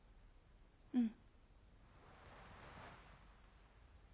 うん。